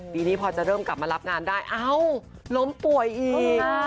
ปีนี้พอจะเริ่มกลับมารับงานได้เอ้าล้มป่วยอีก